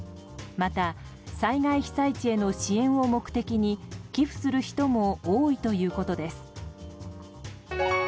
また、災害被災地への支援を目的に寄付する人も多いということです。